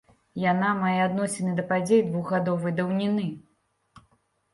Яна мае адносіны да падзей двухгадовай даўніны.